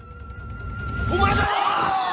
お前だろ！